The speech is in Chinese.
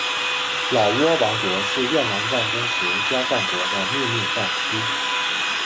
老挝王国是越南战争时交战国的秘密战区。